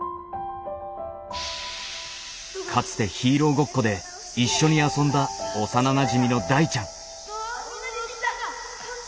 かつてヒーローごっこで一緒に遊んだ幼なじみの大ちゃん。